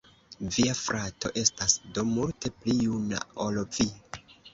Via frato estas do multe pli juna ol vi.